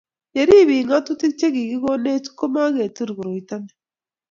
ye rub biik ng'atutik che kikikonech ko muketur koroito ni